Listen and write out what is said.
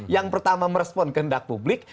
yang pertama merespon kehendak publik